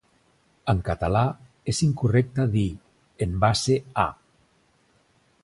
En català, és incorrecte dir "en base a".